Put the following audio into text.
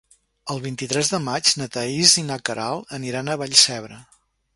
El vint-i-tres de maig na Thaís i na Queralt aniran a Vallcebre.